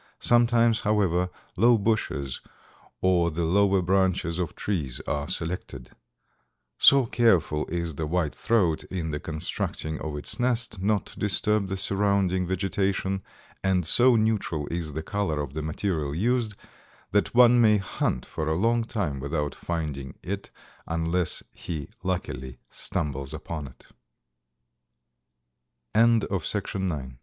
Sometimes, however, low bushes or the lower branches of trees are selected. So careful is the White Throat in the constructing of its nest not to disturb the surrounding vegetation, and so neutral is the color of the material used, that one may hunt for a long time without finding